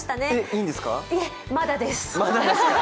いえ、まだです。